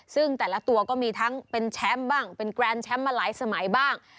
ซึ่งแต่ละตัวก็มีทั้งเป็นแชมป์บ้างเป็นแกรนแชมป์มาหลายสมัยบ้าง